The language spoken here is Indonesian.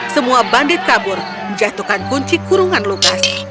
semua bandit kabur menjatuhkan kunci kurungan lukas